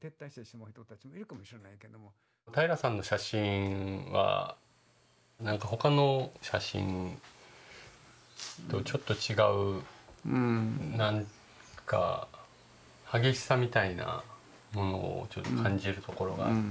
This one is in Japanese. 平良さんの写真は他の写真とちょっと違うなんか激しさみたいなものをちょっと感じるところがあって。